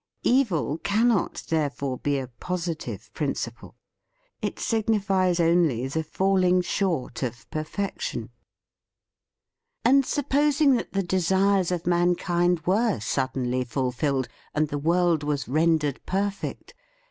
Evil cannot therefore be a positive principle; it signifies only the falling short of perfection. And supposing that the desires of mankind were suddenly fulfilled, and the world was rendered perfect!